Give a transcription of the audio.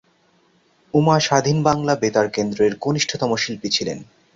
উমা স্বাধীন বাংলা বেতার কেন্দ্রের কনিষ্ঠতম শিল্পী ছিলেন।